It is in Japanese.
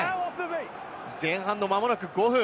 前半、間もなく５分。